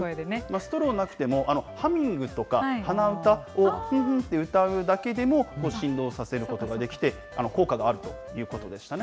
ストローなくても、ハミングとか鼻歌をふんふんと歌うだけでも、振動させることができて、効果があるということでしたね。